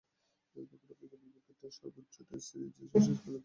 দক্ষিণ আফ্রিকার বিপক্ষে সর্বশেষ টেস্ট সিরিজের স্কোয়াডে থাকলেও খেলা হয়নি কোনো ম্যাচ।